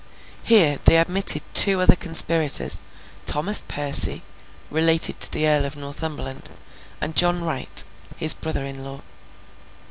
Here, they admitted two other conspirators; Thomas Percy, related to the Earl of Northumberland, and John Wright, his brother in law.